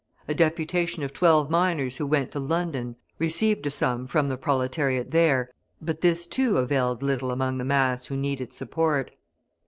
A deputation of twelve miners who went to London received a sum from the proletariat there, but this, too, availed little among the mass who needed support.